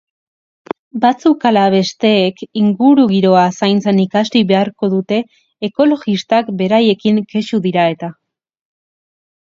Batzuk ala besteek ingurugiroa zaintzen ikasi beharko dute ekologistak beraiekin kexu dira eta.